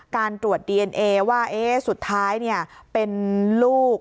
การตรวจดีเอนเอว่าสุดท้ายเป็นลูก